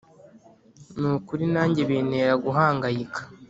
nukuri nanjye bintera guhangayika